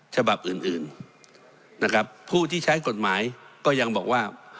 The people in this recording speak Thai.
ฉบับอื่นอื่นนะครับผู้ที่ใช้กฎหมายก็ยังบอกว่า